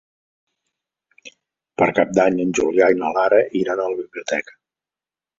Per Cap d'Any en Julià i na Lara iran a la biblioteca.